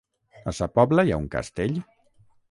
A Sa Pobla hi ha un castell?